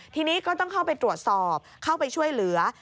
ทีนี้ก็ต้องเข้าไปตรวจสอบเข้าไปช่วยเหลือ